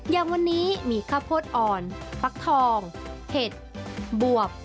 อย่างวันนี้มีข้าวโพดอ่อนฟักทองเห็ดบวบ